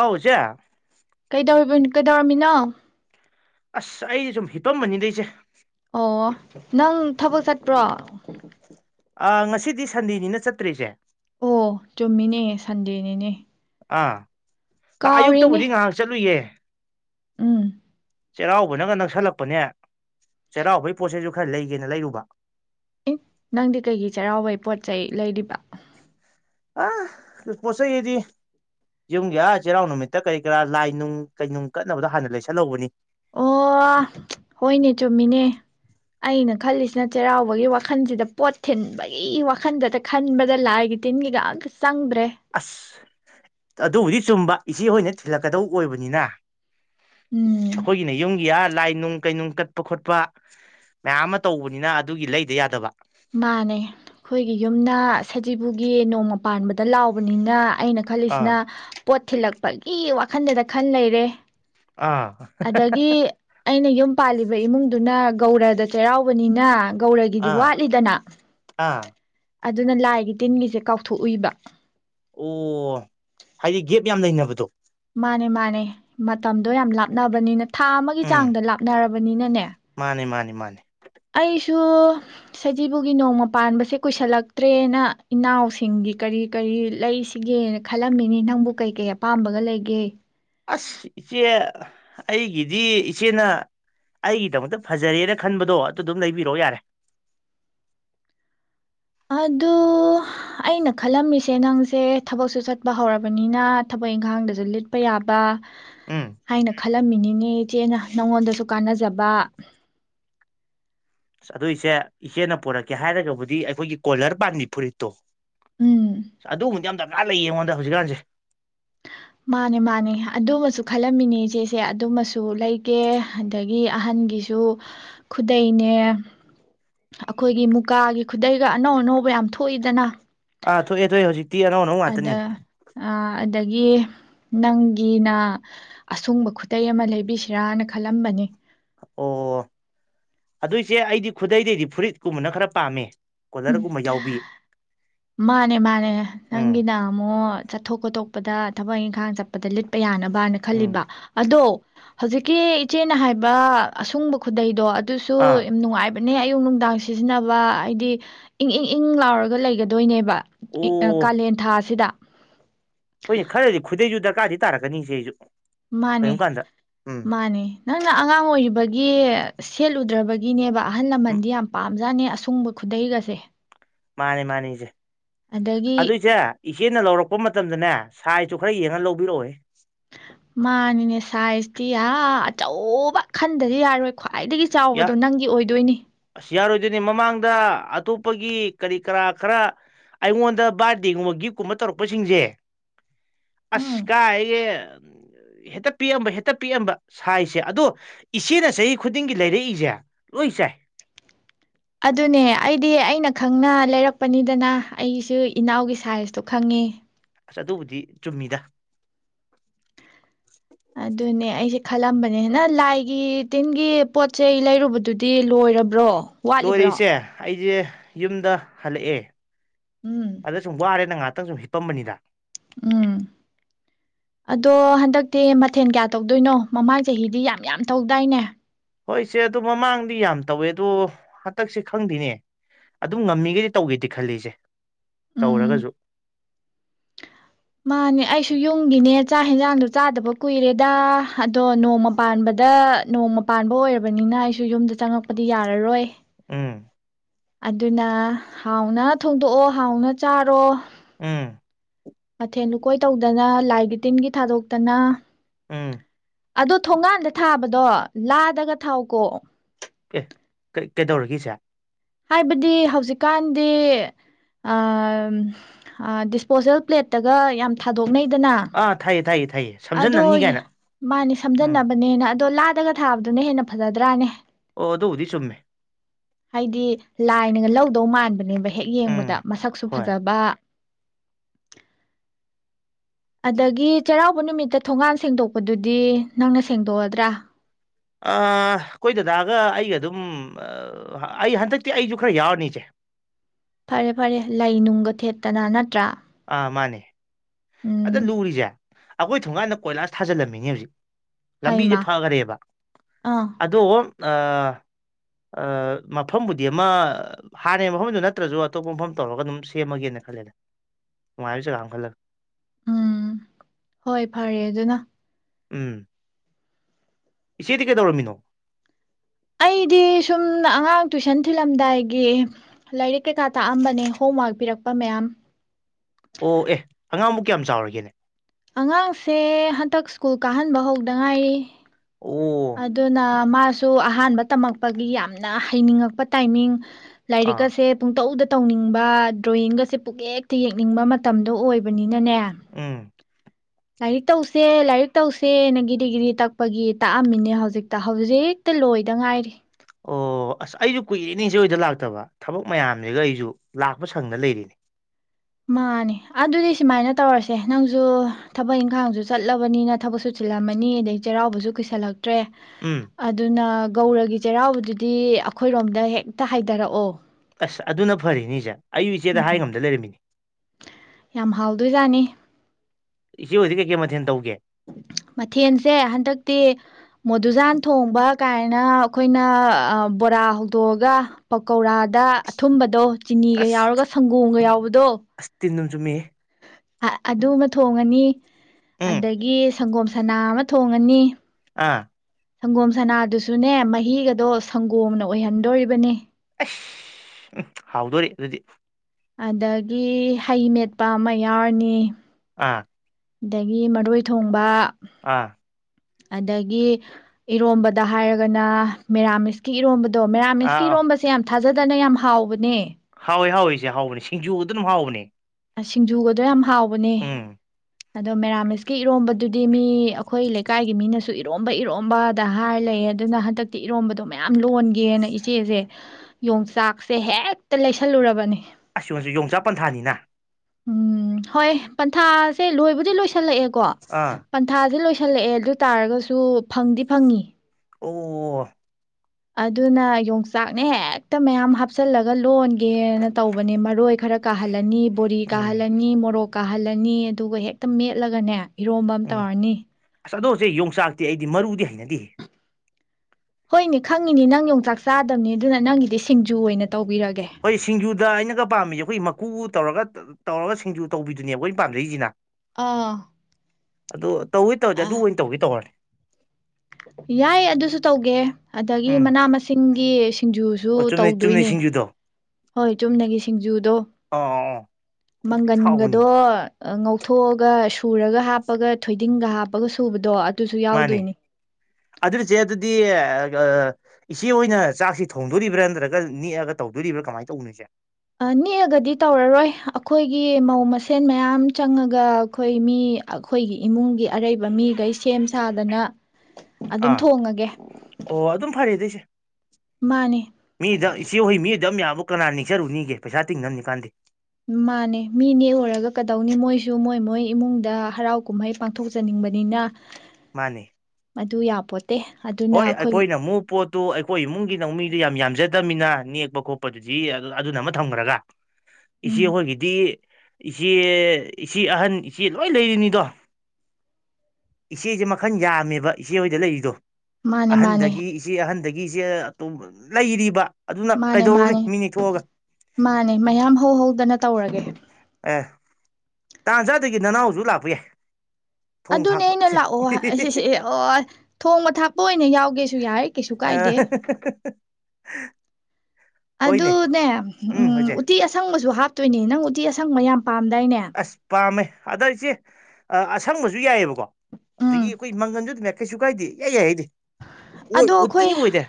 ꯑꯧ‌ ꯆꯦ ꯀꯩꯗꯧꯕꯟ ꯀꯩꯗꯧꯔꯝꯃꯤꯅꯣ ꯑꯁ ꯑꯩꯗꯤ ꯁꯨꯝ ꯍꯤꯄꯝꯕꯅꯤꯗ ꯏꯆꯦ ꯑꯣ ꯅꯪ ꯊꯕꯛ ꯆꯠꯄ꯭ꯔꯣ ꯑꯥ ꯉꯁꯤꯗꯤ ꯁꯟꯗꯦꯅꯤꯅ ꯆꯠꯇꯔ꯭ꯦ ꯏꯆꯦ ꯑꯣ ꯆꯨꯝꯃꯤꯅꯦ ꯁꯟꯗꯦꯅꯤꯅꯦ ꯑꯥ ꯀꯥꯎꯔꯦꯅꯦ ꯑꯌꯨꯛꯇꯕꯨꯗꯤ ꯉꯥꯍꯥꯛ ꯆꯠꯂꯨꯏꯌꯦ ꯎꯝ ꯆꯩꯔꯥꯎꯕꯅꯒ ꯅꯛꯁꯜꯂꯛꯄꯅꯦ ꯆꯩꯔꯥꯎꯕꯒꯤ ꯄꯣꯠ ꯆꯩꯁꯨ ꯈꯔ ꯂꯩꯒꯦꯅ ꯂꯩꯔꯨꯕ ꯑꯦ ꯅꯪꯗꯤ ꯀꯩꯒꯤ ꯆꯩꯔꯥꯎꯕꯩ ꯄꯣꯠ ꯆꯩ ꯂꯩꯔꯤꯕ ꯑ ꯄꯣꯠ ꯆꯩꯩ ꯌꯦꯗꯤ ꯌꯨꯝꯒꯤ ꯑ ꯆꯩꯔꯥꯎ ꯅꯨꯃꯤꯠꯇ ꯀꯔꯤ ꯀꯔꯥ ꯂꯥꯏ ꯅꯨꯡ ꯀꯩꯅꯨꯡ ꯀꯠꯅꯕꯗꯣ ꯍꯥꯟꯅ ꯂꯩꯁꯜꯍꯧꯕꯅꯤ ꯑꯣ ꯍꯣꯏꯅꯦ ꯆꯨꯝꯃꯤꯅꯦ ꯑꯩꯅ ꯈꯜꯂꯤꯁꯤꯅ ꯆꯩꯔꯥꯎꯕꯒꯤ ꯋꯥꯈꯜꯁꯤꯗ ꯄꯣꯠ ꯊꯤꯟꯕꯩ ꯋꯥꯈꯟꯗꯇ ꯈꯟꯕꯗ ꯂꯥꯏꯒꯤ ꯇꯤꯟꯒꯤꯒ ꯑꯝꯇ ꯆꯪꯗ꯭ꯔꯦ ꯑꯁ ꯑꯗꯨꯕꯨꯗꯤ ꯆꯨꯝꯕ ꯏꯆꯦ ꯍꯣꯏꯅ ꯊꯤꯜꯂꯛꯀꯗꯧ ꯑꯣꯏꯕꯅꯤꯅ ꯎꯝ ꯑꯈꯣꯏꯒꯤꯅ ꯌꯨꯝꯒꯤ ꯑꯥ ꯂꯥꯏ ꯅꯨꯡ ꯀꯩ ꯅꯨꯡ ꯀꯠꯄ ꯈꯣꯠꯄ ꯃꯌꯥꯝ ꯑꯃ ꯇꯧꯕꯅꯤꯅ ꯑꯗꯨꯒꯤ ꯂꯩꯗ ꯌꯥꯗꯕ ꯃꯥꯅꯦ ꯑꯩꯈꯣꯏꯒꯤ ꯌꯨꯝꯅ ꯁꯖꯤꯕꯨꯒꯤ ꯅꯣꯡꯃ ꯄꯥꯟꯕꯗ ꯂꯥꯎꯕꯅꯤꯅ ꯑꯩꯅ ꯑꯥ ꯈꯜꯂꯤꯁꯤꯅ ꯄꯣꯠ ꯊꯤꯜꯂꯛ [unintelligible] ꯋꯥꯈꯟꯗꯗ ꯈꯟ ꯂꯩꯔꯦ ꯑꯥ ꯑꯗꯒꯤ ꯑꯩꯅ ꯌꯨꯝ ꯄꯥꯜꯂꯤ ꯏꯃꯨꯡꯗꯨꯅ ꯒꯧꯔꯗ ꯆꯩꯔꯥꯎꯕꯅꯤꯅ ꯒꯧꯔꯥ ꯒꯤꯗꯤ ꯑꯥ ꯋꯥꯠ ꯀꯅꯥ ꯑꯥ ꯑꯗꯨꯅ ꯂꯥꯏꯒꯤ ꯇꯤꯟꯒꯤꯁꯦ ꯀꯥꯎꯊꯣꯛꯎꯏꯕ ꯑꯣ ꯍꯥꯏꯗꯤ ꯒꯦꯞ ꯌꯥꯝ ꯂꯩꯅꯕꯗꯣ ꯃꯥꯅꯦ ꯃꯥꯅꯦ ꯃꯇꯝꯗꯣ ꯌꯥꯝ ꯂꯥꯞꯅꯕꯅꯤꯅ ꯊꯥ ꯑꯃꯒꯤ ꯆꯥꯡꯗ ꯂꯥꯞꯅꯔꯛ ꯅꯣꯏꯅꯤꯅꯅꯦ ꯃꯥꯅꯤ ꯃꯥꯅꯤ ꯃꯥꯅꯤ ꯑꯩꯁꯨ ꯁꯖꯤꯕꯨꯒꯤ ꯅꯣꯡꯃ ꯄꯥꯟꯕꯁꯦ ꯀꯨꯏꯁꯜꯂꯛꯇ꯭ꯔꯦꯅ ꯏꯅꯥꯎꯁꯤꯡꯒꯤ ꯀꯔꯤ ꯀꯔꯤ ꯂꯩꯁꯤꯒꯦꯅ ꯈꯜꯂꯝꯃꯤꯅꯤ ꯅꯪꯕꯨ ꯀꯩꯀꯩ ꯑꯄꯥꯝꯕꯒ ꯂꯩꯒꯦ ꯑꯁ ꯏꯆꯦ ꯑꯩꯒꯤꯗꯤ ꯏꯆꯦꯅ ꯑꯩꯒꯤꯗꯃꯛꯇ ꯐꯖꯔꯦꯅ ꯈꯟꯕꯗꯣ ꯑꯗꯨꯗꯨꯝ ꯂꯩꯕꯤꯔꯛꯑꯣ ꯌꯥꯔꯦ ꯑꯗꯨ ꯑꯩꯅ ꯈꯜꯂꯝꯃꯤꯁꯦ ꯅꯪꯁꯦ ꯊꯕꯛꯁꯨ ꯆꯠꯄ ꯍꯧꯔꯕꯅꯤꯅ ꯊꯕꯛ ꯏꯪꯈꯥꯡꯗꯁꯨ ꯂꯤꯠꯄ ꯌꯥꯕ ꯎꯝ ꯍꯥꯏꯅ ꯈꯜꯂꯝꯃꯤꯅꯤꯅꯦ ꯏꯆꯦꯅ ꯅꯪꯉꯣꯟꯗꯁꯨ ꯀꯥꯟꯅꯖꯕ ꯑꯁ ꯑꯗꯨꯏꯁꯦ ꯏꯆꯦꯅ ꯄꯨꯔꯛꯀꯦ ꯍꯥꯏꯔꯒꯕꯨꯗꯤ ꯑꯩꯈꯣꯏꯒꯤ ꯀꯣꯂꯔ ꯄꯥꯝꯃꯤ ꯐꯨꯔꯤꯠꯇꯣ ꯎꯝ ꯑꯗꯨꯕꯨꯗꯤ ꯑꯝꯗ ꯂꯩꯌꯦ ꯑꯩꯉꯣꯟꯗ ꯍꯧꯖꯤꯛꯀꯥꯟꯁꯦ ꯃꯥꯅꯦ ꯃꯥꯅꯦ ꯑꯗꯨꯃꯁꯨ ꯈꯜꯂꯝꯃꯤꯅꯤ ꯏꯆꯦꯁꯦ ꯑꯗꯨꯃꯁꯨ ꯇꯨ ꯂꯩꯒꯦ ꯑꯗꯒꯤ ꯒꯤ ꯑꯍꯟꯒꯤꯁꯨ ꯈꯨꯗꯩꯅꯦ ꯑꯩꯈꯣꯏꯒꯤ ꯃꯨꯀꯥꯒꯤ ꯈꯨꯗꯩꯒ ꯑꯅꯧ ꯑꯅꯧꯕ ꯌꯥꯝ ꯊꯣꯛꯏꯗꯅ ꯑꯥ ꯊꯣꯛꯑꯦ ꯊꯣꯛꯑꯦ ꯍꯧꯖꯤꯛꯇꯤ ꯑꯅꯧ ꯑꯅꯧ ꯉꯇꯅꯤ ꯑꯗ ꯑꯗꯒꯤ ꯅꯪꯒꯤꯅ ꯑꯁꯨꯡꯕ ꯈꯨꯇ ꯑꯃ ꯂꯩꯕꯤꯁꯤꯔꯥꯅ ꯈꯜꯂꯝꯕꯅꯤ ꯑꯣ ꯑꯗꯨꯏꯆꯦ ꯑꯩꯗꯤ ꯈꯨꯗꯩꯗꯩꯗꯤ ꯐꯨꯔꯤꯠꯀꯨꯝꯕꯅ ꯈꯔ ꯄꯥꯝꯃꯦ ꯎꯝ ꯀꯣꯂꯔꯒꯨꯝꯕ ꯌꯥꯎꯕꯤ ꯃꯥꯅꯦ ꯃꯥꯅꯦ ꯎꯝ ꯅꯪꯒꯤꯅ ꯑꯃꯨꯛ ꯆꯠꯊꯣꯛ ꯈꯣꯊꯣꯛ ꯆꯠꯄꯗ ꯊꯕꯛ ꯏꯪꯈꯥꯡ ꯆꯠꯄꯗ ꯂꯤꯠꯄ ꯌꯥꯅꯕꯅ ꯎꯝ ꯈꯜꯂꯤꯕ ꯑꯗꯣ ꯍꯧꯖꯤꯛꯀꯤ ꯏꯆꯦꯅ ꯍꯥꯏꯕ ꯑꯁꯨꯡꯕ ꯈꯨꯗꯩꯗꯣ ꯑꯗꯨꯁꯨ ꯑꯥ ꯌꯥꯝ ꯅꯨꯡꯉꯥꯏꯕ ꯅꯦ ꯑꯌꯨꯛ ꯅꯨꯡꯗꯥꯡ ꯁꯤꯖꯤꯟꯅꯕ ꯍꯥꯏꯗꯤ ꯏꯪ ꯏꯪ ꯏꯪ ꯂꯥꯎꯔꯒ ꯂꯩꯒꯗꯣꯏꯅꯦꯕ ꯀꯥꯂꯦꯟ ꯊꯥꯁꯤꯗ ꯍꯣꯏ ꯈꯔꯗꯤ ꯈꯨꯗꯩꯁꯨꯖꯤ ꯗꯔꯀꯥꯗꯤ ꯇꯥꯔꯛꯅꯤ ꯁꯤ ꯑꯩꯁꯨ ꯃꯥꯅꯦ ꯀꯩꯒꯨꯝ ꯀꯥꯟꯗ ꯎꯝ ꯃꯥꯅꯦ ꯅꯪꯅ ꯑꯉꯥꯡ ꯑꯣꯏꯔꯤꯕꯒꯤ ꯁꯦꯠꯂꯨꯗ꯭ꯔꯕꯒꯤꯅꯦꯕ ꯑꯍꯜ ꯂꯃꯟꯗꯤ ꯌꯥꯝ ꯄꯥꯝꯃꯤ ꯑꯣꯝꯖꯥꯅꯦ ꯑꯁꯨꯡꯕ ꯈꯨꯗꯩꯒꯁꯦ ꯃꯥꯅꯦ ꯃꯥꯅꯤ ꯏꯁꯦ ꯑꯗꯒꯤ ꯑꯗꯨꯏꯁꯦ ꯏꯆꯦꯅ ꯂꯧꯔꯛꯄ ꯃꯇꯝꯗꯅꯦ ꯁꯥꯏꯖꯇꯨ ꯈꯔ ꯌꯦꯡꯉ ꯂꯧꯕꯤꯔꯛꯑꯣ ꯃꯥꯅꯤꯅꯦ ꯁꯥꯏꯖꯇꯤ ꯑ ꯑꯆꯧꯕ ꯈꯟꯗꯗꯤ ꯌꯥꯔꯣꯏ ꯈ꯭ꯋꯥꯏꯗꯒꯤ ꯆꯥꯎꯕꯗꯣ ꯅꯪꯒꯤ ꯑꯣꯏꯗꯣꯏꯅꯤ ꯌꯥꯔꯣꯏꯗꯣꯏꯅꯤ ꯃꯃꯥꯡꯗ ꯑꯇꯣꯞꯄꯒꯤ ꯀꯔꯤ ꯀꯔꯥ ꯈꯔ ꯑꯩꯉꯣꯟꯗ ꯕꯥꯔꯗꯦꯒꯨꯝꯕ ꯒꯤꯐꯀꯨꯝꯕ ꯇꯧꯔꯛꯄꯁꯤꯡꯁꯦ ꯎꯝ ꯑꯁ ꯀꯥ ꯌꯦ ꯍꯦꯛꯇ ꯄꯤꯛꯑꯝꯕ ꯍꯦꯛꯇ ꯄꯤꯛꯑꯝꯕ ꯁꯥꯏꯖꯁꯦ ꯑꯗꯣ ꯏꯆꯦꯅ ꯆꯍꯤ ꯈꯨꯗꯤꯡꯒꯤ ꯂꯩꯔꯛꯏꯁꯦ ꯂꯣꯏ ꯆꯥꯏ ꯑꯗꯨꯅꯦ ꯑꯩꯗꯤ ꯑꯩꯅ ꯈꯪꯅ ꯂꯩꯔꯛꯄꯅꯤꯗꯅ ꯑꯩꯒꯤꯁꯨ ꯏꯅꯥꯎꯒꯤ ꯁꯥꯏꯖꯇꯣ ꯈꯪꯉꯦ ꯑꯁ ꯑꯗꯨꯕꯨꯗꯤ ꯆꯨꯝꯃꯤꯗ ꯑꯗꯨꯅꯦ ꯑꯩꯁꯦ ꯈꯜꯂꯝꯕꯅꯦꯅ ꯂꯥꯏꯒꯤ ꯇꯤꯟꯒꯤ ꯄꯣꯠ ꯆꯩꯦ ꯂꯩꯔꯨꯕꯗꯨꯗꯤ ꯂꯣꯏꯔꯕ꯭ꯔꯣ ꯋꯥꯠꯂꯤꯕ꯭ꯔꯣ ꯂꯣꯏꯔꯁꯦ ꯑꯩꯁꯦ ꯌꯨꯝꯗ ꯍꯜꯂꯛꯑꯦ ꯎꯝ ꯑꯗ ꯁꯨꯝꯕ ꯑꯔꯦ ꯅ ꯉ ꯈꯤꯇꯪꯁꯨ ꯍꯤꯄꯝꯕꯅꯤꯗ ꯎꯝ ꯑꯗꯣ ꯍꯟꯗꯛꯇꯤ ꯃꯊꯦꯜ ꯀꯌꯥ ꯇꯧꯗꯣꯏꯅꯣ ꯃꯃꯥꯡ ꯆꯍꯤꯗꯤ ꯌꯥꯝ ꯌꯥꯝ ꯇꯧꯗꯥꯏꯅꯦ ꯍꯣꯏ ꯏꯆꯦ ꯑꯗꯨꯣ ꯃꯃꯥꯡꯗꯤ ꯌꯥꯝ ꯇꯧꯋꯦ ꯑꯗꯣ ꯍꯟꯗꯛꯁꯦ ꯈꯪꯗꯦꯅꯦ ꯑꯗꯨꯝ ꯉꯝꯃꯤꯒꯩꯗꯤ ꯇꯧꯒꯦꯗꯤ ꯈꯜꯂꯤꯁꯦ ꯎꯝ ꯇꯧꯔꯒꯁꯨ ꯃꯥꯅꯦ ꯑꯩꯁꯨ ꯌꯨꯝꯒꯤꯅꯦ ꯆꯥꯛ ꯌꯦꯟꯖꯥꯡꯗꯣ ꯆꯥꯗꯕ ꯀꯨꯏꯔꯦꯗ ꯑꯗꯣ ꯅꯣꯡꯃ ꯄꯥꯟꯕꯗ ꯅꯣꯡꯃ ꯄꯥꯟꯕ ꯑꯣꯏꯔꯕꯅꯤꯅ ꯑꯩꯁꯨ ꯌꯨꯝꯗ ꯆꯪꯉꯛꯄꯗꯤ ꯌꯥꯔꯔꯣꯏ ꯎꯝ ꯑꯗꯨꯅ ꯍꯥꯎꯅ ꯊꯣꯡꯗꯣꯛꯑꯣ ꯍꯥꯎꯅ ꯆꯥꯔꯣ ꯎꯝ ꯃꯊꯦꯜ ꯂꯨꯀꯣꯏ ꯇꯧꯗꯅ ꯂꯥꯏꯒꯤ ꯇꯤꯟꯒꯤ ꯊꯥꯗꯣꯛꯇꯅ ꯎꯝ ꯑꯗꯣ ꯊꯣꯡꯒꯥꯟꯗ ꯊꯥꯕꯗꯣ ꯂꯥꯗꯒ ꯊꯥꯎꯀꯣ ꯑꯦ ꯀꯩꯗꯧꯔꯒꯁꯦ ꯍꯥꯏꯕꯗꯤ ꯍꯧꯖꯤꯛꯀꯥꯟꯗꯤ ꯗꯤꯁꯄꯣꯖꯦꯜ ꯄ꯭ꯂꯦꯠꯇꯒ ꯌꯥꯝ ꯊꯥꯗꯣꯛ ꯛꯅꯩꯗꯅ ꯑꯥ ꯊꯥꯏꯌꯦ ꯊꯥꯏꯌꯦ ꯊꯥꯏꯌꯦ ꯑꯗꯣ ꯁꯝꯖꯟꯅꯕꯅꯤ ꯀꯥꯏꯅ ꯃꯥꯅꯦ ꯎꯝ ꯁꯝꯖꯟꯅꯕꯅꯦꯅ ꯑꯗꯣ ꯂꯥꯗꯒ ꯊꯥꯕꯗꯨꯅ ꯍꯦꯟꯅ ꯐꯖꯗ꯭ꯔꯥꯅꯦ ꯑꯣ ꯑꯗꯨꯕꯨꯗꯤ ꯆꯨꯝꯃꯦ ꯍꯥꯏꯗꯤ ꯂꯥꯏꯅꯒ ꯂꯧꯗꯧ ꯃꯥꯟꯕꯅꯦꯕ ꯍꯦꯛ ꯎꯝ ꯌꯦꯡꯕꯗ ꯃꯁꯛꯁꯨ ꯍꯣꯏ ꯐꯖꯕ ꯑꯗꯒꯤ ꯆꯩꯔꯥꯎꯕ ꯅꯨꯃꯤꯠꯇ ꯊꯣꯡꯒꯥꯟ ꯁꯦꯡꯗꯣꯛꯄꯗꯨꯗꯤ ꯅꯪꯅ ꯁꯦꯡꯗꯣꯛꯑꯗ꯭ꯔꯥ ꯑꯩꯈꯣꯏ ꯗꯗꯥꯒ ꯑꯩꯒ ꯑꯗꯨꯝ ꯑꯩ ꯍꯟꯗꯛꯇꯤ ꯑꯩꯁꯨ ꯈꯔ ꯌꯥꯎꯔꯅꯤꯁꯦ ꯐꯔꯦ ꯐꯔꯦ ꯂꯩ ꯅꯨꯡꯒ ꯊꯦꯠꯇꯅ ꯅꯠꯇ꯭ꯔꯥ ꯑ ꯃꯥꯅꯦ ꯑꯗ ꯎꯝ ꯂꯨꯔꯤꯁꯦ ꯑꯩꯈꯣꯏ ꯊꯣꯡꯀꯥꯟꯗ ꯀꯣꯏꯂꯥꯁ ꯊꯥꯖꯤꯜꯂꯝꯃꯤꯅꯤ ꯍꯧꯖꯤꯛ ꯂꯝꯕꯤꯁꯦ ꯍꯩꯃ ꯐꯈꯔꯦꯕ ꯑꯥ ꯑꯗꯣ ꯃꯐꯝꯕꯨꯗꯤ ꯑꯃ ꯍꯥꯟꯅ ꯃꯐꯝꯗꯨ ꯅꯠꯇ꯭ꯔꯁꯨ ꯑꯇꯣꯞꯄ ꯃꯐꯝ ꯇꯧꯔꯒ ꯑꯗꯨꯝ ꯁꯦꯝꯃꯒꯦꯅ ꯈꯜꯂꯦꯅꯦ ꯅꯨꯡꯉꯥꯏꯔꯤ ꯆꯦꯒꯥꯅ ꯈꯜꯂꯒ ꯎꯝ ꯍꯣꯏ ꯐꯔꯦ ꯑꯗꯨꯅ ꯎꯝ ꯏꯆꯦꯗꯤ ꯀꯩꯗꯧꯔꯝꯃꯤꯅꯣ ꯑꯩꯗꯤ ꯁꯨꯝ ꯑꯉꯥꯡ ꯇꯨꯏꯁꯟ ꯊꯤꯜꯂꯝꯗꯥꯏꯒꯤ ꯂꯥꯏꯔꯤꯛ ꯀꯩꯀꯥ ꯇꯥꯛꯑꯝꯕꯅꯦ ꯍꯣꯝꯋꯔꯛ ꯄꯤꯔꯛꯄ ꯃꯌꯥꯝ ꯑꯣ ꯑꯦ ꯑꯉꯥꯡꯃꯨꯛ ꯀꯌꯥꯝ ꯆꯥꯎꯔꯒꯦꯅꯦ ꯑꯉꯥꯡꯁꯦ ꯍꯟꯇꯛ ꯁ꯭ꯀꯨꯜ ꯀꯥꯍꯟꯕ ꯍꯧꯗ ꯉꯥꯏꯔꯤ ꯑꯣ ꯑꯗꯨꯗꯅ ꯃꯥꯁꯨ ꯑꯍꯥꯟꯕ ꯇꯝꯃꯛꯄꯒꯤ ꯌꯥꯝꯅ ꯍꯩꯅꯤꯡꯉꯛꯄ ꯇꯥꯏꯃꯤꯡ ꯂꯥꯏꯔꯤꯛ ꯑꯥ ꯑꯁꯦ ꯄꯨꯡ ꯇꯗ ꯇꯧꯅꯤꯡꯕ ꯗ꯭ꯔꯣꯌꯋꯤꯡꯒꯁꯦ ꯄꯨꯛꯂꯦꯛꯇ ꯌꯦꯛꯅꯤꯡꯕ ꯃꯇꯝꯗꯣ ꯑꯣꯏꯕꯅꯤꯅꯅꯦ [unintelligible] ꯎꯝ ꯂꯥꯏꯔꯤꯛ ꯇꯧꯁꯦ ꯂꯥꯏꯔꯤꯛ ꯇꯧꯁꯦꯅꯒꯤ ꯗꯤꯒ꯭ꯔꯤ ꯇꯛꯄꯒꯤ ꯇꯥꯛꯑꯝꯃꯤꯅꯦ ꯍꯧꯖꯤꯛꯇ ꯍꯧꯖꯤꯛꯇ ꯂꯣꯏꯗ ꯉꯥꯏꯔꯤ ꯑꯣ ꯑꯁ ꯑꯩꯁꯨ ꯀꯨꯏꯔ ꯅꯤꯡꯁꯦ ꯍꯗ ꯂꯥꯛꯇꯕ ꯊꯕꯛ ꯃꯌꯥꯝꯁꯤꯒ ꯑꯩꯁꯨ ꯂꯥꯛꯄ ꯁꯪꯅ ꯂꯩꯔꯤꯅꯦ ꯃꯥꯅꯦ ꯑꯗꯨꯗꯤ ꯁꯨꯃꯥꯏꯅ ꯇꯧꯔꯁꯦ ꯅꯪꯁꯨ ꯊꯕꯛ ꯏꯪꯈꯥꯡꯁꯨ ꯆꯠꯂꯕꯅꯤꯅ ꯊꯕꯛꯁꯨ ꯊꯤꯜꯂꯝꯃꯅꯤ ꯑꯗꯩ ꯆꯩꯔꯥꯎꯕꯁꯨ ꯀꯨꯏꯁꯜꯂꯛ ꯇ꯭ꯔꯦ ꯎꯝ ꯑꯗꯨꯅ ꯒꯧꯔꯒꯤ ꯆꯩꯔꯥꯎꯕꯗꯨꯗꯤ ꯑꯩꯈꯣꯏꯔꯣꯝꯗ ꯍꯦꯛꯇ ꯍꯥꯏꯊꯔꯛꯑꯣ ꯑꯁ ꯑꯗꯨꯅ ꯐꯔꯤꯅꯤ ꯏꯖꯦ ꯎꯝ ꯌꯥꯝ ꯍꯥꯎꯗꯣꯏꯖꯥꯅꯤ ꯁꯤ ꯍꯧꯖꯤꯗꯤ ꯀꯩꯀꯩ ꯃꯊꯦꯜꯅ ꯇꯧꯒꯦ ꯃꯊꯦꯜꯁꯦ ꯍꯟꯗꯛꯇꯤ ꯃꯣꯗꯨꯖꯥꯟ ꯊꯣꯡꯕ ꯀꯥꯏꯅ ꯑꯩꯈꯣꯏꯅ ꯕꯣꯔꯥ ꯍꯧꯗꯣꯛꯑꯒ ꯄꯀꯧꯔꯥꯗ ꯑꯊꯨꯝꯕꯗꯣ ꯆꯤꯅꯤꯒ ꯑꯁ ꯌꯥꯎꯔꯒ ꯁꯪꯒꯣꯝꯒ ꯌꯥꯎꯕꯗꯣ ꯑꯁ ꯇꯤꯟ ꯑꯗꯨꯝ ꯆꯨꯝꯃꯦ ꯑꯗꯨꯃ ꯊꯣꯡꯉꯅꯤ ꯎꯝ ꯑꯗꯒꯤ ꯁꯪꯒꯣꯝ ꯁꯅꯥ ꯑꯃ ꯊꯣꯡ ꯐꯪ ꯑꯅꯤ ꯑꯥ ꯁꯪꯒꯣꯝ ꯁꯥꯅꯥꯗꯨꯁꯨꯅꯦ ꯃꯍꯤꯒꯗꯣ ꯁꯪꯒꯣꯝꯅ ꯑꯣꯏꯍꯟꯗꯣꯔꯤꯕꯅꯦ ꯎꯝ ꯍꯥꯎꯗꯣꯔꯤ ꯑꯗꯨꯗꯤ ꯑꯗꯒꯤ ꯍꯩ ꯃꯦꯠꯄ ꯑꯃ ꯌꯥꯎꯔꯅꯤ ꯑꯥ ꯑꯗꯒꯤ ꯃꯔꯣꯏ ꯊꯣꯡꯕ ꯑꯥ ꯑꯗꯒꯤ ꯏꯔꯣꯝꯕꯗ ꯍꯥꯏꯔꯒꯅ ꯃꯦꯔꯥꯃꯤꯁꯀꯤ ꯏꯔꯣꯝꯕꯗ ꯑꯗꯣ ꯑꯥ ꯃꯦꯥꯃꯤꯁꯀꯤꯔꯣꯝꯕꯁꯦ ꯌꯥꯝ ꯊꯥꯖꯗꯅ ꯌꯥꯝ ꯍꯥꯎꯕꯅꯦ ꯍꯣꯏ ꯍꯥꯎꯋꯏꯁꯦ ꯍꯥꯎꯕꯅꯦ ꯁꯤꯡꯖꯨ ꯑꯗꯨꯝ ꯍꯥꯎꯕꯅꯦ ꯁꯤꯡꯖꯨꯒꯗꯣ ꯌꯥꯝ ꯍꯥꯎꯕꯅꯦ ꯎꯝ ꯑꯗꯣ ꯃꯦꯔꯥꯃꯤꯁꯀꯤ ꯏꯔꯣꯝꯕꯗꯨꯗꯤ ꯃꯤ ꯑꯩꯈꯣꯏ ꯂꯩꯀꯥꯏꯒꯤ ꯃꯤꯅꯁꯨ ꯏꯔꯣꯝꯕ ꯏꯔꯣꯝꯕꯗ ꯍꯥꯏꯔ ꯂꯩ ꯑꯗꯨꯅ ꯍꯟꯗꯛꯇꯤ ꯏꯔꯣꯝꯕꯗꯣ ꯃꯌꯥꯝ ꯂꯣꯟꯒꯦꯅ ꯏꯆꯦꯁꯦ ꯌꯣꯡꯆꯥꯛꯁꯦ ꯍꯦꯛꯇ ꯂꯩꯁꯜꯂꯨꯔꯕꯅꯤ ꯑꯁꯣꯟꯁꯨ ꯌꯣꯡꯆꯥꯛ ꯄꯟꯊꯥꯅꯤꯅ ꯎꯝ ꯍꯣꯏ ꯄꯟꯊꯥꯁꯦ ꯂꯣꯏꯕꯨꯗꯤ ꯂꯣꯏꯁꯤ ꯂꯛꯑꯦꯀꯣ ꯑꯥ ꯄꯟꯊꯥꯁꯦ ꯂ ꯏꯁꯜꯂꯛꯑꯦ ꯑꯗꯨ ꯇꯥꯔꯒꯁꯨ ꯐꯪꯗꯤ ꯐꯪꯏꯤ ꯑꯣ ꯑꯗꯨꯅ ꯌꯣꯡꯆꯥꯛꯅꯦ ꯍꯦꯛꯇ ꯃꯌꯥꯝ ꯍꯥꯞꯆꯜꯂꯒ ꯂꯣꯟ ꯀꯦꯅ ꯇꯧꯕꯅꯦ ꯃꯔꯣꯏ ꯈꯔ ꯀꯥꯍꯜꯂꯅꯤ ꯕꯣꯔꯤ ꯎꯝ ꯀꯥꯍꯜꯂꯅꯤ ꯃꯣꯔꯣꯛ ꯀꯥꯍꯜꯂꯅꯤ ꯑꯗꯨꯒ ꯍꯦꯛꯇ ꯃꯦꯠꯂꯒꯅꯦ ꯏꯔꯣꯝꯕ ꯑꯃ ꯇꯧꯔꯅꯤ ꯆꯥꯗꯣꯁꯦ ꯌꯣꯡꯆꯥꯛꯇꯤ ꯑꯩꯗꯤ ꯃꯔꯨꯗꯤ ꯍꯩꯅꯗꯦ ꯍꯣꯏꯅꯦ ꯈꯪꯉꯤꯅꯤ ꯅꯪ ꯌꯣꯡꯆꯥꯛ ꯆꯥꯗꯕꯅꯤ ꯑꯗꯨꯅ ꯅꯪꯒꯤꯗꯤ ꯁꯤꯡꯖꯨ ꯑꯣꯏꯅ ꯇꯧꯕꯤꯔꯒꯦ ꯑꯩꯈꯣꯏ ꯁꯤꯡꯖꯨꯗ ꯑꯩꯅꯒ ꯄꯥꯝꯃꯤꯁꯦ ꯑꯩꯈꯣꯏ ꯃꯀꯨ ꯇꯧꯔꯒ ꯇꯧꯔꯒ ꯁꯤꯡꯖꯨ ꯇꯧꯕꯤꯗꯨꯅꯦꯕ ꯑꯩꯅ ꯄꯥꯝꯖꯩꯔꯤꯁꯤꯅ ꯑꯥ ꯑꯗꯨ ꯇꯧꯋꯤ ꯇꯧꯗꯤ ꯑꯗꯨ ꯑꯥ ꯑꯣꯏꯅ ꯇꯧꯋꯦ ꯇꯧꯔꯅꯤ ꯌꯥꯏ ꯑꯗꯨꯁꯨ ꯇꯧꯒꯦ ꯑꯗꯒꯤ ꯎꯝ ꯃꯅꯥ ꯃꯁꯤꯡꯒꯤ ꯁꯤꯡꯖꯨꯁꯨ ꯑꯣ ꯆꯨꯝꯅꯩ ꯆꯨꯝꯅꯩ ꯇꯧꯗꯣꯏꯅꯦ ꯁꯤꯡꯖꯨꯗꯣ ꯍꯣꯏ ꯆꯨꯝꯅꯒꯤ ꯁꯤꯡꯖꯨꯗꯣ ꯑꯣ ꯑꯣ ꯑꯣ ꯁꯥꯎꯕꯅꯤ ꯃꯪꯒꯟꯒꯗꯣ ꯉꯧꯊꯣꯛꯑꯒ ꯁꯨꯔꯒ ꯍꯥꯞꯄꯒ ꯊꯣꯏꯗꯤꯡꯒ ꯍꯥꯞꯄꯒ ꯁꯨꯕꯗꯣ ꯑꯗꯨꯁꯨ ꯃꯥꯅꯦ ꯌꯥꯎꯗꯣꯏꯅꯤ ꯑꯗꯨ ꯆꯦꯗꯗꯤ ꯏꯆꯦ ꯑꯣꯏꯅ ꯆꯥꯛꯁꯤ ꯊꯣꯡꯗꯣꯔꯤꯕ꯭ꯔꯥ ꯅꯠꯇ꯭ꯔꯒ ꯅꯦꯛꯑꯒ ꯇꯧꯗꯣꯔꯤꯕ꯭ꯔꯥ ꯀꯃꯥꯏꯅ ꯇꯧꯕꯅꯣ ꯏꯁꯦ ꯅꯦꯛꯑꯒꯗꯤ ꯇꯧꯔꯔꯣꯏ ꯑꯩꯈꯣꯏꯒꯤ ꯃꯧ ꯃꯁꯦꯟ ꯃꯌꯥꯝ ꯆꯪꯉꯒ ꯑꯩꯈꯣꯏ ꯃꯤ ꯑꯩꯈꯣꯏꯒꯤ ꯏꯃꯨꯡꯒꯤ ꯑꯔꯩꯕ ꯃꯤꯈꯩ ꯁꯦꯝ ꯁꯥꯗꯅ ꯑꯗꯨꯝ ꯑꯥ ꯊꯣꯡꯉꯒꯦ ꯑꯣ ꯑꯗꯨꯝ ꯐꯔꯦ ꯑꯗꯨꯣꯏꯁꯦ ꯃꯥꯅꯤ ꯃꯤ ꯏ ꯑꯣꯏꯏ ꯃꯤꯗꯝ ꯌꯥ ꯑꯗꯨꯨꯛ ꯀꯅꯥꯅꯤ ꯆꯔꯨꯅꯤꯒꯦ ꯄꯩꯁꯥ ꯇꯤꯡꯅꯕꯝꯅꯤ ꯀꯥꯟꯗꯦ ꯃꯥꯅꯦ ꯃꯤꯅꯦ ꯑꯣꯏꯔꯒ ꯀꯩꯗꯧꯅꯤ ꯃꯣꯏꯁꯨ ꯃꯣꯏ ꯃꯣꯏ ꯏꯃꯨꯡꯗ ꯍꯔꯥꯎ ꯀꯨꯝꯍꯩ ꯄꯥꯡꯊꯣꯛꯆꯅꯤꯡꯕꯅꯤꯅ ꯃꯥꯅꯦ ꯑꯗꯨ ꯌꯥꯕꯣꯠ ꯍꯣꯏ ꯑꯩꯈꯣꯏꯅ ꯃꯨꯛ ꯄꯣꯠ ꯇꯣ ꯑꯩꯈꯣꯏ ꯏꯃꯨꯡꯒꯤ ꯂꯧꯃꯤꯗꯨꯣ ꯌꯥꯝ ꯌꯥꯝꯖꯗꯕꯃꯤꯅ ꯅꯦꯛꯄ ꯈꯣꯠꯄꯗꯨꯗꯤ ꯑꯗꯨꯅ ꯑꯃ ꯊꯝꯈ꯭ꯔꯒ ꯏꯆ ꯎꯝ ꯑꯩꯈꯣꯏꯒꯤꯗꯤ ꯏꯆꯦ ꯏꯆꯦ ꯑꯍꯟ ꯏꯆꯦ ꯂꯣꯏ ꯂꯩꯔꯤꯅꯤꯗꯣ ꯏꯆꯦꯁꯦ ꯃꯈꯟ ꯌꯥꯝꯃꯦꯕ ꯏꯆꯦ ꯍꯣꯏꯗ ꯂꯩꯔꯤꯗꯣ ꯃꯥꯅꯦ ꯃꯥꯅꯦ ꯑꯍꯟꯗꯒꯤ ꯏꯆꯦ ꯑꯍꯟꯗꯒꯤ ꯒꯤꯁꯦ ꯂꯩꯔꯤꯕ ꯑꯗꯨꯅ ꯃꯥꯅꯦ ꯀꯩꯗꯧꯔꯨꯅꯤ ꯃꯥꯅꯦ ꯃꯤ ꯅꯦꯛꯊꯣꯛꯑꯒ ꯃꯥꯅꯦ ꯃꯌꯥꯝ ꯍꯧ ꯍꯧꯗꯅ ꯇꯧꯔꯒꯦ ꯍ ꯇꯥꯡ ꯆꯥꯗꯒꯤ ꯅꯅꯥꯎꯁꯨ ꯂꯥꯛꯄ ꯌꯥꯏ ꯊꯣꯡ ꯑꯗꯨꯅꯦ ꯑꯩꯅ ꯊꯥꯛꯄꯁꯦ ꯂꯥꯛꯑꯣ ꯑꯁꯤꯁ ꯊꯣꯡꯕ ꯊꯥꯛꯄ ꯑꯣꯏꯅ ꯌꯥꯎꯒꯦꯁꯨ ꯌꯥꯔꯦ ꯀꯩꯁꯨ ꯀꯥꯏꯗꯦ ꯍꯣꯏꯅꯦ ꯑꯗꯨꯅꯦ ꯎꯝ ꯎꯇꯤ ꯑꯁꯪꯕꯁꯨ ꯍꯥꯞꯇꯣꯏꯅꯦ ꯅꯪ ꯎꯇꯤ ꯑꯁꯪꯕ ꯃꯌꯥꯝ ꯑꯁ ꯄꯥꯝꯃꯦ ꯑꯗ ꯏꯆꯦ ꯑꯁꯪꯕꯁꯨ ꯌꯥꯏꯑꯕꯀꯣ ꯑꯗꯒꯤ ꯎꯝ ꯑꯩꯈꯣꯏ ꯃꯪꯒꯟꯁꯨ ꯑꯗꯨꯝ ꯀꯩꯁꯨ ꯀꯥꯏꯗꯦ ꯌꯥꯏ ꯌꯥꯏ ꯑꯩꯗꯤ ꯑꯣ ꯑꯗꯣ ꯎꯠꯇꯤ ꯑꯩꯈꯣꯏ ꯑꯣꯏꯣꯏꯗꯦ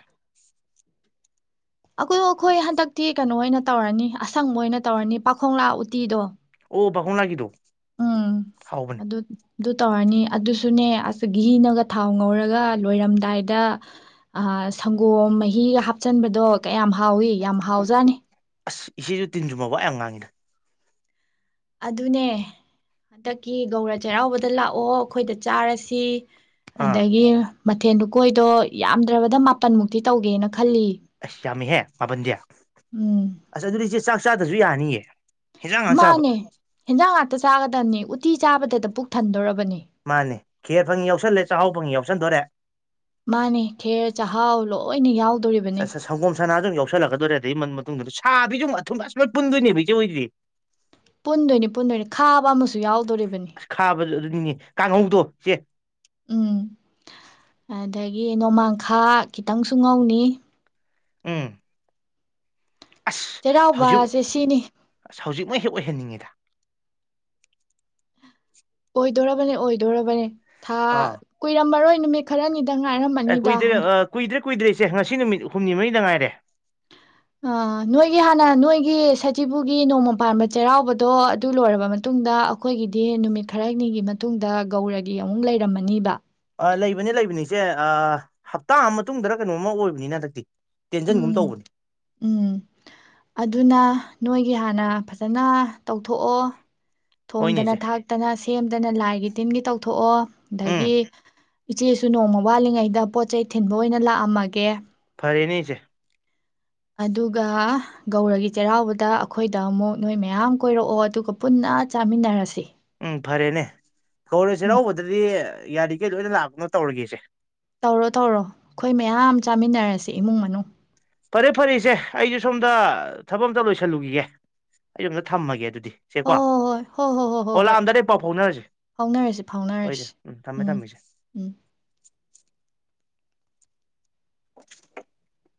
ꯑꯈꯣꯏ ꯑꯈꯣꯏ ꯍꯟꯗꯛꯇꯤ ꯀꯩꯅꯣ ꯑꯣꯏꯅ ꯇꯧꯔꯅꯤ ꯑꯁꯪꯕ ꯑꯣꯏꯅ ꯇꯧꯔꯅꯤ ꯄꯥꯈꯣꯡꯂꯥ ꯎꯇꯤꯗꯣ ꯑꯣ ꯄꯥꯈꯣꯡꯂꯥꯒꯤꯗꯣ ꯎꯝ ꯍꯥꯎꯕꯅꯦ ꯑꯗꯨ ꯑꯗꯨ ꯇꯧꯔꯅꯤ ꯑꯗꯨꯁꯨꯅꯦ ꯑꯁ ꯘꯤꯅꯒ ꯊꯥꯎ ꯉꯧꯔꯒ ꯂꯣꯏꯔꯝꯗꯥꯏꯗ ꯁꯪꯒꯣꯝ ꯃꯍꯤꯒ ꯍꯥꯞꯆꯟꯕꯗꯣ ꯀꯌꯥꯝ ꯍꯥꯎꯏ ꯌꯥꯝ ꯍꯥꯎꯖꯥꯠꯅꯤ ꯑꯁ ꯏꯆꯦꯁꯨ ꯇꯤꯟꯖꯨꯝꯕ ꯋꯥ ꯌꯥꯝ ꯉꯥꯡꯉꯤꯗ ꯑꯗꯨꯅꯦ ꯍꯟꯗꯛꯀꯤ ꯒꯧꯔ ꯆꯩꯔꯥꯎꯕꯗ ꯂꯥꯛꯑꯣ ꯑꯩꯈꯣꯏꯗ ꯆꯥꯔꯁꯤ ꯑꯥ ꯑꯗꯒꯤ ꯃꯊꯦꯜ ꯂꯨꯀꯣꯏꯗꯣ ꯌꯥꯝꯗ꯭ꯔꯕꯗ ꯃꯥꯄꯟꯃꯨꯛꯇꯤ ꯇꯧꯒꯦꯅ ꯈꯜꯂꯤ ꯑꯁ ꯌꯥꯝꯃꯤꯍꯦ ꯃꯥꯄꯟꯗꯤ ꯎꯝ ꯑꯁ ꯑꯗꯨꯗꯤ ꯏꯆꯦ ꯆꯥꯛ ꯆꯥꯗꯔꯁꯨ ꯌꯥꯅꯤꯌꯦ ꯍꯤꯟꯖꯥꯡ ꯉꯥꯛ ꯆꯥꯕ ꯃꯥꯅꯦ ꯍꯦꯟꯖꯥꯡ ꯉꯥꯛꯇ ꯆꯥꯒꯗꯕꯅꯤ ꯎꯇꯤ ꯆꯥꯕꯗꯗ ꯄꯨꯛ ꯊꯟꯗꯣꯔ ꯃꯥꯅꯦ ꯈꯦꯔ ꯐꯪꯉꯤ ꯌꯥꯎꯁꯜꯂꯦ ꯆꯥꯛꯍꯥꯎ ꯐꯪꯉꯤ ꯌꯥꯎꯁꯟꯗꯣꯔꯦ ꯃꯥꯅꯦ ꯈꯦꯔ ꯆꯥꯛꯍꯥꯎ ꯂꯣꯏꯅ ꯌꯥꯎ ꯁꯪꯒꯣꯝ ꯁꯅꯥꯁꯨ ꯑꯗꯨꯝ ꯌꯥꯎꯁꯜꯂꯛꯀꯗꯣꯔꯦ ꯑꯗꯩ ꯃ ꯃꯇꯨꯡꯗ ꯁꯥꯕꯤꯁꯨꯨ‌ ꯑꯃꯨꯛ ꯑꯊꯨꯝ ꯑꯁ ꯂꯣꯏ ꯄꯨꯟꯗꯣꯏꯅꯦꯕ ꯏꯆꯦ ꯍꯣꯏꯖꯤꯗꯤ ꯄꯨꯟꯗꯣꯏꯅꯤ ꯄꯨꯟꯗꯣꯏꯅꯤ ꯈꯥꯕ ꯑꯃꯁꯨ ꯌꯥꯎꯗꯣꯔꯤꯕꯅꯤ ꯉ ꯀꯥꯡꯍꯧꯗꯣ ꯁꯦ ꯎꯝ ꯑꯗꯒꯤ ꯅꯣꯡꯃꯥꯡꯈꯥ ꯈꯤꯇꯪꯁꯨ ꯉꯧꯅꯤ ꯎꯝ ꯑꯁ ꯍꯧꯖꯤꯛ ꯆꯩꯔꯥꯎꯕꯁꯦ ꯁꯤꯅꯤ ꯑꯁ ꯍꯧꯖꯤꯛꯃꯛꯣꯏ ꯍꯦꯛ ꯑꯣꯏꯍꯟꯅꯤꯡꯉꯤꯗ ꯑꯣꯏꯗꯣꯔꯕꯅꯤ ꯑꯣꯏꯗꯣꯔꯔꯕꯅꯤ ꯊꯥ ꯑꯥ ꯀꯨꯏꯔꯝꯝꯕꯔꯣꯏ ꯈꯔꯅꯤ ꯑꯦ ꯀꯣꯏꯗ ꯀ ꯏꯗ ꯀꯨꯏꯗ꯭ꯔꯤꯁꯦ ꯉꯁꯤ ꯅꯨꯃꯤꯠ ꯍꯨꯝꯅꯤ ꯃꯔꯤꯗ ꯉꯥꯏꯔꯦ ꯅꯣꯏꯒꯤ ꯍꯥꯟꯅ ꯅꯣꯏꯒꯤ ꯁꯖꯤꯤꯕꯨꯒꯤ ꯅꯣꯡꯃ ꯄꯥꯟꯕ ꯆꯩꯔꯥꯎꯕꯗꯣ ꯑꯗꯨ ꯂꯣꯏꯔꯕ ꯃꯇꯨꯡꯗ ꯑꯩꯈꯣꯏꯒꯤꯗꯤ ꯅꯨꯃꯤꯠ ꯈꯔꯅꯤꯒꯤ ꯃꯇꯨꯡꯗ ꯒꯧꯔꯒꯤ ꯑꯃꯨꯛ ꯂꯩꯔꯝꯃꯅꯤꯕ ꯂꯩꯕꯅꯤ ꯂꯩꯕꯅꯤꯁꯦ ꯍꯞꯇꯥ ꯃꯇꯨꯡꯗꯔ ꯀꯩꯅꯣꯝꯃ ꯑꯣꯏꯕꯅꯤꯅ ꯍꯟꯗꯛꯇꯤ ꯇꯦꯟꯖꯟꯒꯨꯝ ꯎꯝ ꯇꯧꯕꯅꯤ ꯎꯝ ꯑꯗꯨꯅ ꯅꯣꯏꯒꯤ ꯍꯥꯟꯅ ꯐꯖꯅ ꯇꯧꯊꯣꯛꯑꯣ ꯍꯣꯏꯅꯦ ꯊꯣꯡꯗꯅ ꯏꯆꯦ ꯊꯥꯛꯇꯅ ꯁꯦꯝꯗꯅ ꯂꯥꯏꯒꯤ ꯇꯤꯟꯒꯤ ꯇꯧꯊꯣꯛꯑꯣ ꯎꯝ ꯑꯗꯒꯤ ꯏꯆꯦꯁꯨ ꯅꯣꯡꯃ ꯋꯥꯠꯂꯤꯉꯩꯗ ꯄꯣꯠ ꯆꯩ ꯊꯤꯟꯕ ꯑꯣꯏꯅ ꯂꯥꯛꯑꯝꯃꯒꯦ ꯐꯔꯅꯤ ꯆ ꯑꯗꯨꯒ ꯒꯧꯔꯒꯤ ꯆꯩꯔꯥꯎꯕꯗ ꯑꯩꯈꯣꯏꯗ ꯑꯃꯨꯛ ꯅꯣꯏ ꯃꯌꯥꯝ ꯀꯣꯏꯔꯛꯑꯣ ꯑꯗꯨꯒ ꯄꯨꯟꯅ ꯆꯥꯃꯤꯟꯅꯔꯁꯤ ꯎꯪ ꯐꯔꯦꯅꯦ ꯀꯧꯔ ꯎꯝ ꯆꯩꯔꯥꯎꯕꯗꯗꯤ ꯌꯥꯔꯤ ꯒꯩ ꯂꯣꯏꯅ ꯂꯥꯛꯄꯅꯣ ꯇꯧꯔꯒꯦꯁꯦ ꯇꯧꯔꯣ ꯇꯧꯔꯣ ꯑꯈꯣꯏ ꯃꯌꯥꯝ ꯆꯥꯃꯤꯟꯅꯔꯁꯤ ꯏꯃꯨꯡ ꯃꯅꯨꯡ ꯐꯔꯦ ꯐꯔꯦ ꯏꯆꯦ ꯑꯩꯖꯨ ꯁꯣꯝꯗ ꯊꯕꯛ ꯑꯝꯇ ꯂꯣꯏꯁꯜꯂꯨꯒꯤꯒꯦ ꯑꯩꯖꯨ ꯑꯝꯇ ꯊꯝꯃꯒꯦ ꯑꯗꯨꯗꯤ ꯍꯣ ꯆꯦꯀꯣ ꯍꯣ ꯍꯣꯏ ꯍꯣ ꯍꯣ ꯍꯣꯏ ꯍꯣꯏ ꯂꯥꯛꯑꯝꯗꯥꯏꯗ ꯍꯦꯛ ꯄꯥꯎ ꯐꯥꯎꯅꯔꯖꯤ ꯐꯥꯎꯅꯔꯁꯤ ꯍꯣꯏ ꯐꯥꯎꯅꯔꯁꯤ ꯏꯆꯦ ꯎꯝ ꯊꯝꯃꯦ ꯊꯝꯃꯦ ꯏꯆꯦ ꯎꯝ [unintelligible]